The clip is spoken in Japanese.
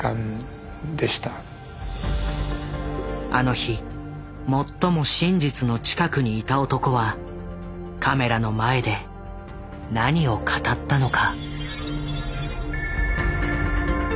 あの日最も真実の近くにいた男はカメラの前で何を語ったのか？